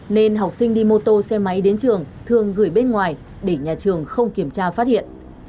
nên học sinh đi mô tô xe máy đến trường thường gửi bên ngoài để nhà trường không kiểm tra phát hiện